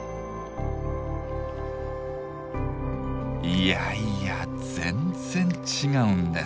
いやいや全然違うんです！